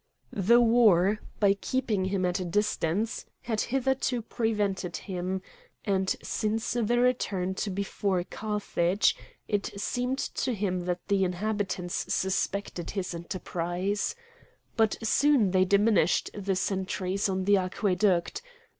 The war, by keeping him at a distance, had hitherto prevented him; and since the return to before Carthage, it seemed to him that the inhabitants suspected his enterprise. But soon they diminished the sentries on the aqueduct.